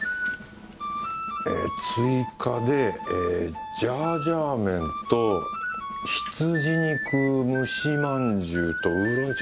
え追加でえジャージャー麺と羊肉蒸しまんじゅうとウーロン茶